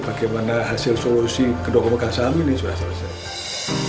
bagaimana hasil solusi kedua pemegang saham ini sudah selesai